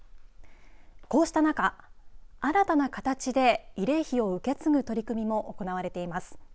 こうした中新たな形で慰霊碑を受け継ぐ取り組みも行われています。